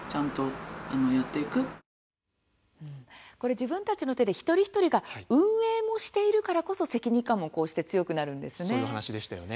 自分たちの手で一人一人が運営もしているからこそ責任感もこうして強くなるんですね。